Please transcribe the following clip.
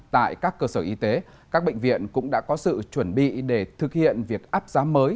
tại các cơ sở y tế các bệnh viện cũng đã có sự chuẩn bị để thực hiện việc áp giá mới